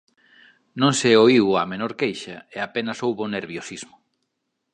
Non se oíu a menor queixa, e a penas houbo nerviosismo.